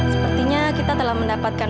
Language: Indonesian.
sepertinya kita telah mendapatkan